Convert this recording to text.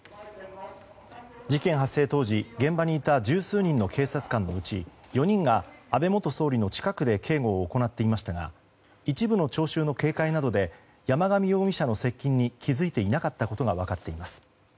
事件発生当時、現場にいた十数人の警察官のうち４人が安倍元総理の近くで警護を行っていましたが一部の聴衆の警戒などで山上容疑者の接近に気づいていなかったことが分かっています。